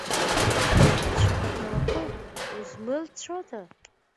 Цәаблаҟы, узмырцәода…